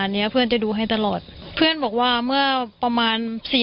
จะมีคนนั่งกินเราจะแถวนี้